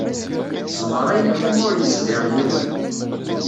Teṣber ayen i wumi ur yeṣbir yiwen.